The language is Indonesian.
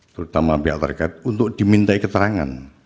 terutama pihak terkait untuk dimintai keterangan